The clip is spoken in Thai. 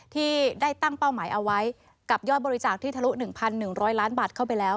ที่ได้ตั้งเป้าหมายเอาไว้กับยอดบริจาคที่ทะลุ๑๑๐๐ล้านบาทเข้าไปแล้ว